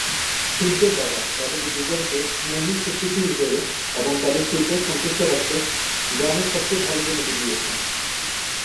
সূর্যের বাবা তাদের দুজনকে স্নেহের স্বীকৃতি হিসেবে এবং তাদের চুপ ও সন্তুষ্ট রাখতে গ্রামের সবচেয়ে ভালো জমিটি দিয়েছেন।